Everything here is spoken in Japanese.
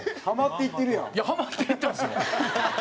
ハマっていってるやん。